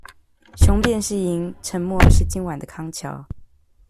雄辯是銀，沉默是今晚的康橋